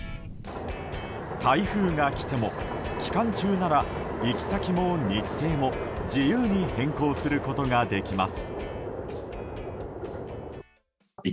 台風が来ても期間中なら行き先も日程も自由に変更することができます。